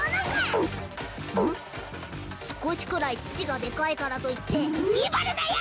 少しくらい乳がでかいからといって威張るなよ！